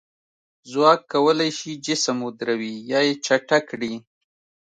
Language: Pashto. ځواک کولی شي جسم ودروي یا یې چټک کړي.